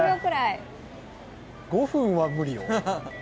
５分は無理よ。